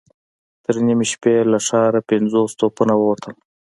تر نيمې شپې له ښاره پنځوس توپونه ووتل.